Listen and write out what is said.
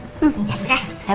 terima kasih ya